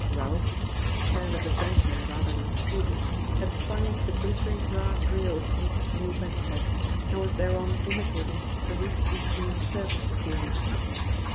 Ralph, careless adventurer rather than student, had climbed to the glittering brass rail of Maisie's new bedstead, and was thereon imitating a recently seen circus performance.